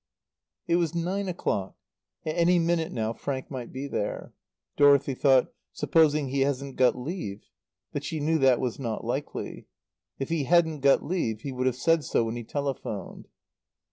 It was nine o'clock. At any minute now Frank might be there. Dorothy thought: "Supposing he hasn't got leave?" But she knew that was not likely. If he hadn't got leave he would have said so when he telephoned.